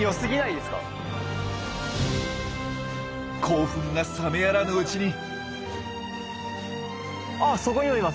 興奮が冷めやらぬうちに。